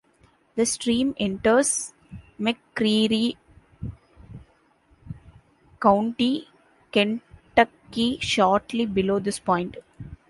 The stream enters McCreary County, Kentucky, shortly below this point.